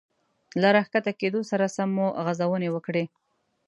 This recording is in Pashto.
له را ښکته کېدو سره سم مو غځونې وکړې.